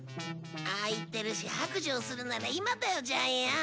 ああ言ってるし白状するなら今だよジャイアン。